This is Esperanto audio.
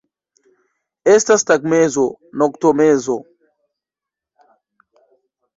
Estas tagmezo, noktomezo.